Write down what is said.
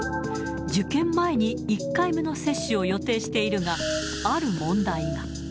受験前に１回目の接種を予定しているが、ある問題が。